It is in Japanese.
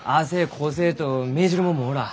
こうせえと命じる者もおらん。